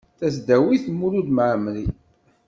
Tasdawit Mulud Mɛemmri.